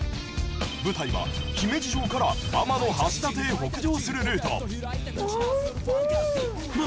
舞台は姫路城から天橋立へ北上するルート。